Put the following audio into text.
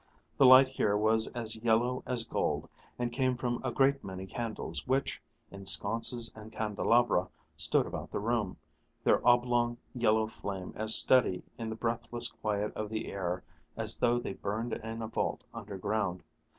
The light here was as yellow as gold, and came from a great many candles which, in sconces and candelabra, stood about the room, their oblong yellow flame as steady in the breathless quiet of the air as though they burned in a vault underground.